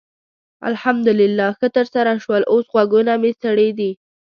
الحمدلله ښه ترسره شول؛ اوس غوږونه مې سړې دي.